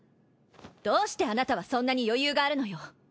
どうしてあなたはそんなに余裕があるのよ！